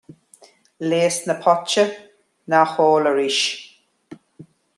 Leigheas na póite ná ól arís.